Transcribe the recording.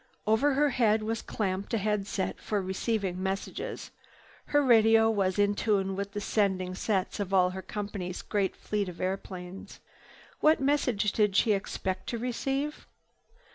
Over her head was clamped a head set for receiving messages. Her radio was in tune with the sending sets of all her company's great fleet of airplanes. What message did she expect to receive?